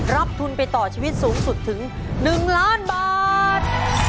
รับทุนไปต่อชีวิตสูงสุดถึง๑ล้านบาท